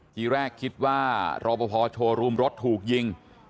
ทีแรกคิดว่ารอปภโชว์รูมรถถูกยิง